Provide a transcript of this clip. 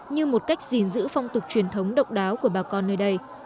như một cách gìn giữ phong tục truyền thống độc đáo của bà con nơi đây